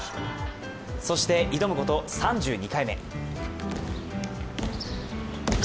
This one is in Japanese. そして挑むこと３２回目。